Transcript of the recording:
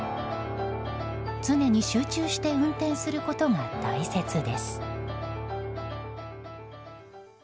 常に集中して運転することが大切です。